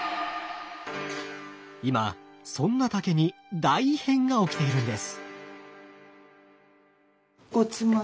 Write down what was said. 今そんな竹に大異変が起きているんです。